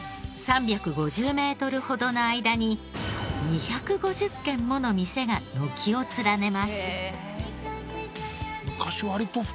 ３５０メートルほどの間に２５０軒もの店が軒を連ねます。